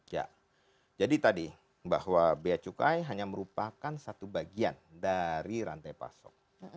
ya jadi tadi bahwa biaya cukai hanya merupakan satu bagian dari rantai pasok